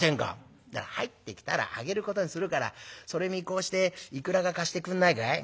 「入ってきたらあげることにするからそれ見越していくらか貸してくんないかい？」。